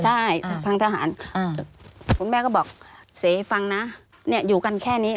ใช่ทางทหารอ่าคุณแม่ก็บอกเศษฟังน่ะเนี่ยอยู่กันแค่นี้